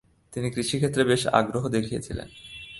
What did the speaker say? তিনি কৃষিক্ষেত্রে বেশি আগ্রহ দেখিয়েছিলেন।